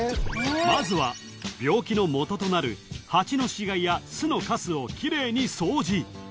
［まずは病気のもととなるハチの死骸や巣のカスを奇麗に掃除］